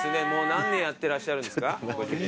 何年やってらっしゃるんですか？